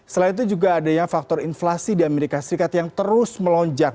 selain itu juga adanya faktor inflasi di amerika serikat yang terus melonjak